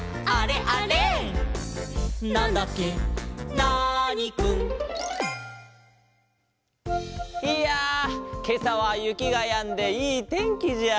ナーニくん」いやけさはゆきがやんでいいてんきじゃあ。